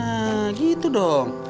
nah gitu dong